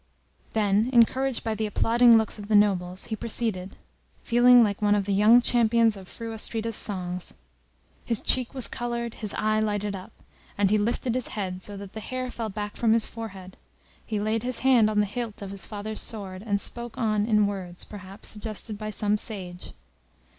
Then, encouraged by the applauding looks of the nobles, he proceeded, feeling like one of the young champions of Fru Astrida's songs. His cheek was coloured, his eye lighted up, and he lifted his head, so that the hair fell back from his forehead; he laid his hand on the hilt of his father's sword, and spoke on in words, perhaps, suggested by some sage.